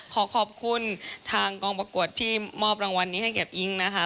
ขอขอบคุณทางกองประกวดที่มอบรางวัลนี้ให้กับอิ๊งนะคะ